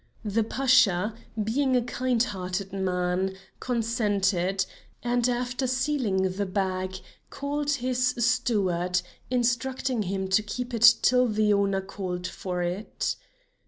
The Pasha, being a kind hearted man, consented, and after sealing the bag, called his steward, instructing him to keep it till the owner called for it.